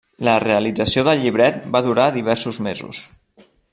La realització del llibret va durar diversos mesos.